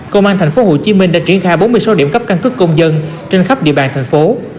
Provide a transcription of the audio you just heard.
công an tp hcm đã triển khai bốn mươi sáu điểm cấp căn cước công dân trên khắp địa bàn thành phố